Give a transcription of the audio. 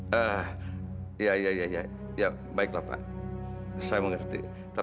terus kami bisa mencari keberadaan aditya